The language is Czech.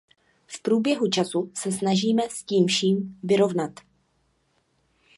V průběhu času se snažíme s tím vším vyrovnat.